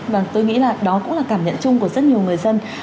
vâng tôi nghĩ là đó cũng là cảm nhận chung của rất nhiều người dân